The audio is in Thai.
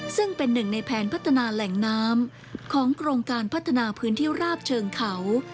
ซึ่งเป็นหนึ่งในแผนพัฒนาแหล่งน้ำของโครงการพัฒนาพื้นที่ราบเชิงเขา